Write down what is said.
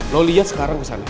lo liat sekarang kesana